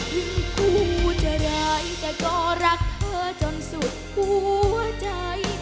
คู่ใจร้ายแต่ก็รักเธอจนสุดหัวใจ